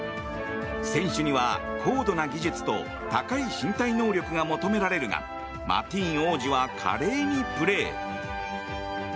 選手には高度な技術と高い身体能力が求められるがマティーン王子は華麗にプレー。